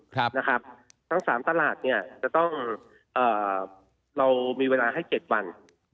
ทั้ง๓ตลาดเรามีเวลาให้๗วัน